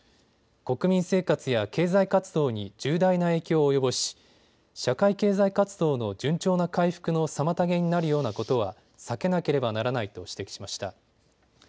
国民生活や経済活動に重大な影響を及ぼし社会経済活動の順調な回復の妨げになるようなことは避けなければならないと指摘しました。